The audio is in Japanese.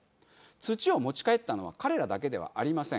土を持ち帰ったのは彼らだけではありません。